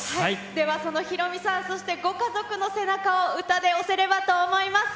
ではそのヒロミさん、そしてご家族の背中を歌で押せればと思います。